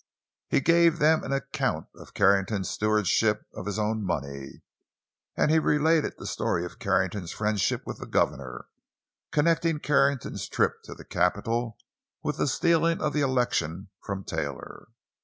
He gave them an account of Carrington's stewardship of his own money; and he related the story of Carrington's friendship with the governor, connecting Carrington's trip to the capital with the stealing of the election from Taylor.